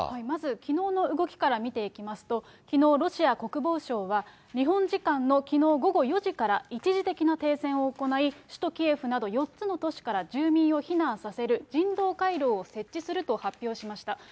まずきのうの動きから見ていきますと、きのう、ロシア国防省は、日本時間のきのう午後４時から、一時的な停戦を行い、首都キエフなど４つの都市から住民を避難させる人道回廊を設置すると発表しました。